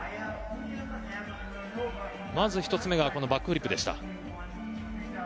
まず１つ目がバックフリップでした。